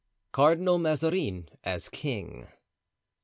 Cardinal Mazarin as King.